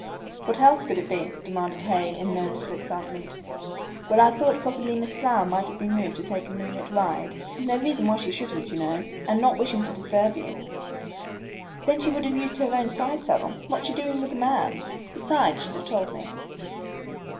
"What else could it be?" demanded Hay, in no little excitement. "Well, I thought possibly Miss Flower might have been moved to take a moonlight ride. No reason why she shouldn't, you know, and not wishing to disturb you " "Then she would have used her own side saddle. What's she doing with a man's? Besides, she'd have told me!"